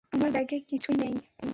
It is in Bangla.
আমার ব্যাগে কিছুই নেই।